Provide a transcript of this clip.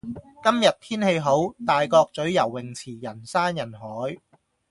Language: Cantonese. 今日天氣好，大角咀游泳池人山人海。